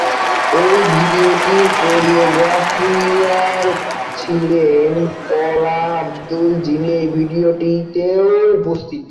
এই ভিডিওটির কোরিওগ্রাফার ছিলেন পলা আব্দুল, যিনি এই ভিডিওতেও উপস্থিত ছিলেন।